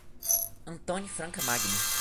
Antônio Franca Magno